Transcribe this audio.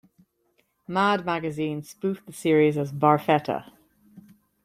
"Mad" magazine spoofed the series as "Barfetta".